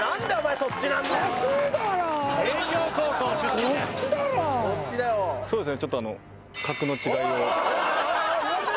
そうですよね。